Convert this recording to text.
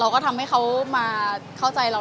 ก็ทำให้เขามาเข้าใจเรา